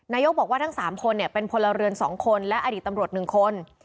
นายกบอกว่าทั้ง๓คนเป็นพลเรือน๒คนและอดีตตำรวจ๑คน